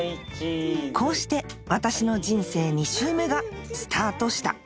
こうして私の人生２周目がスタートした